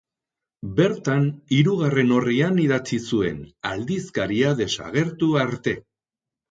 Bertan, hirugarren orrian idatzi zuen, aldizkaria desagertu arte.